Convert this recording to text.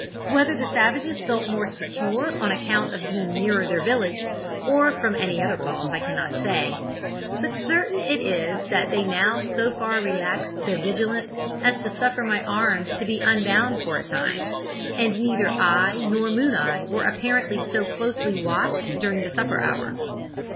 Whether the savages felt more secure on account of being nearer their village, or from any other cause, I cannot say, but certain it is that they now so far relaxed their vigilance as to suffer my arms to be unbound for a time, and neither I nor Moon eye were apparently so closely watched during the supper hour.